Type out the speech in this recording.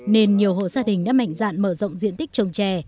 nên nhiều hộ gia đình đã mạnh dạn mở rộng diện tích trồng trè